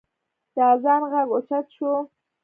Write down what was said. د اذان غږ اوچت شو.